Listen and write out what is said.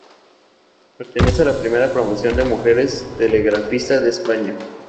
Perteneció a la primera promoción de mujeres telegrafista de España.